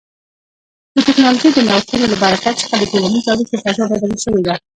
د ټکنالوژۍ د نوښتونو له برکت څخه د ټولنیزو اړیکو فضا بدله شوې ده.